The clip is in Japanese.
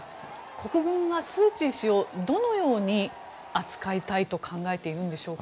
国軍はスー・チー氏をどのように扱いたいと考えているんでしょうか。